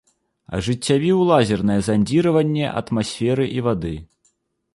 Ажыццявіў лазернае зандзіраванне атмасферы і вады.